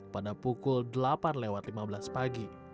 pada pukul delapan lewat lima belas pagi